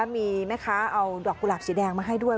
มีแม่ค้าเอาดอกกุหลาบสีแดงมาให้ด้วย